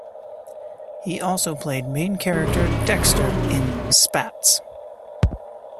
He also played main character Dexter in "Spatz".